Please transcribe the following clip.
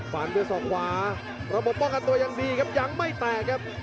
ฟันด้วยศอกขวาระบบป้องกันตัวยังดีครับยังไม่แตกครับ